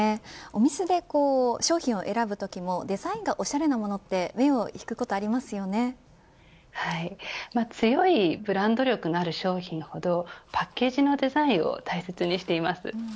お店で商品を選ぶときもデザインがおしゃれなものは強いブランド力のある商品ほどパッケージのデザインを大切にしています。